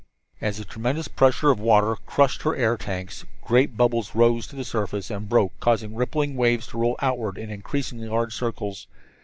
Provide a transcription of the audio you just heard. As the tremendous pressure of the water crushed in her air tanks, great bubbles rose to the surface and broke, causing rippling waves to roll outward in increasingly large circles.